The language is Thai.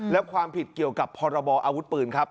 และความผิดเกี่ยวกับพรบออาวุธปืนครับ